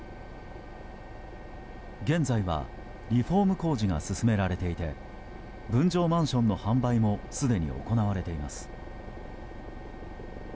現在はリフォーム工事が進められていて分譲マンションの販売もすでに行われています。